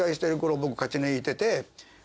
僕勝ち抜いてて。